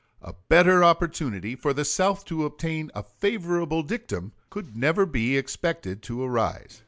A better opportunity for the South to obtain a favorable dictum could never be expected to arise.